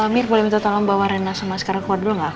mir boleh minta tolong bawa rena sama sekarang keluar dulu nggak